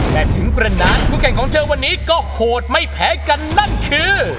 แต่ถึงประนานผู้แข่งของเธอวันนี้ก็โหดไม่แพ้กันนั่นคือ